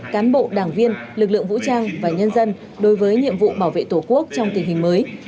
cán bộ đảng viên lực lượng vũ trang và nhân dân đối với nhiệm vụ bảo vệ tổ quốc trong tình hình mới